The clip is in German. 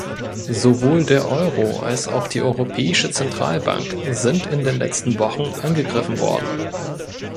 Sowohl der Euro als auch die Europäische Zentralbank sind in den letzten Wochen angegriffen worden.